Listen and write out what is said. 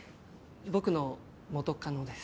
僕の元カノです。